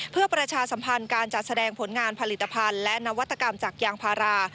เพื่อประชาสัมพันธ์การจัดแสดงผลงานผลิตภัณฑ์และนวัตกรรมจากยางพารา